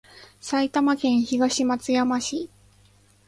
埼玉県東松山市